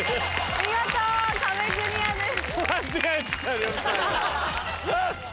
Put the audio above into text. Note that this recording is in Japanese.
見事壁クリアです！